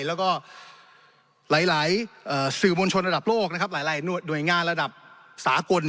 แล้วก็หลายสื่อมวลชนระดับโลกหลายหน่วยงานระดับสากล